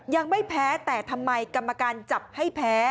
ยังไม่แพ้แต่ทำไมกรรมการจับให้แพ้